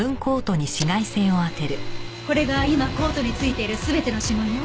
これが今コートに付いている全ての指紋よ。